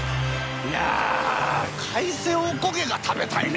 いや海鮮おこげが食べたいね。